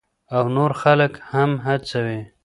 او نور خلک هم هڅوي.